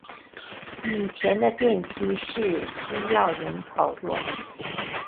以前的电梯是需要人操作的。